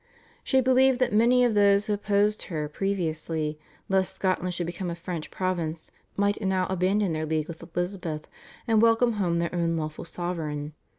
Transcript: She believed that many of those who opposed her previously, lest Scotland should become a French province, might now abandon their league with Elizabeth, and welcome home their own lawful sovereign.